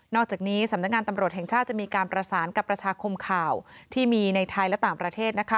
อกจากนี้สำนักงานตำรวจแห่งชาติจะมีการประสานกับประชาคมข่าวที่มีในไทยและต่างประเทศ